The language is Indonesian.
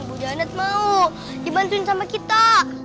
ibu janet mau dibantuin sama kita